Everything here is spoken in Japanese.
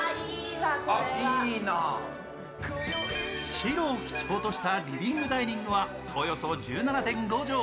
白を基調としたリビングダイニングはおよそ１７．５畳。